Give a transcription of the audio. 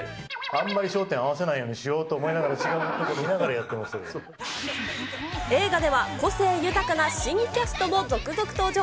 あんまり焦点合わせないようにしようとしながら、映画では個性豊かな新キャストも続々登場。